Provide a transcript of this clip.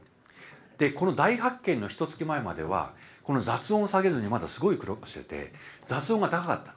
この大発見のひと月前まではこの雑音を下げずにまだすごい苦労してて雑音が高かった。